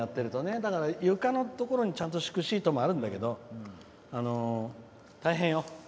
だから、床のところに、ちゃんと敷くシートもあるんだけど大変よ。